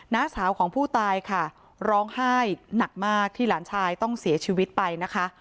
น้าสาวของผู้ตายค่ะร้องไห้หนักมากที่หลานชายต้องเสียชีวิตไปนะคะ